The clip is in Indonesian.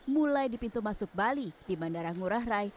mulai di pintu masuk bali di bandara ngurah rai